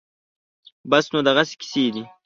بس نو دغسې قېصې دي